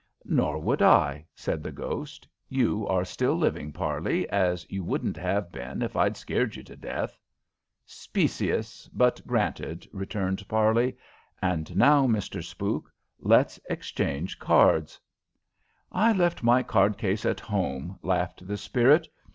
"Nor would I," said the ghost. "You are still living, Parley, as you wouldn't have been if I'd scared you to death." "Specious, but granted," returned Parley. "And now, Mr. Spook, let's exchange cards." "I left my card case at home," laughed the spirit.